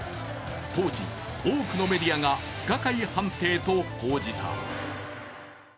当時、多くのメディアが不可解判定と報じた。